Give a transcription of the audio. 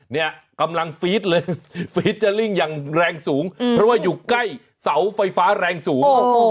เนี่ยกำลังฟีดเลยฟีดเจอร์ลิ่งอย่างแรงสูงเพราะว่าอยู่ใกล้เสาไฟฟ้าแรงสูง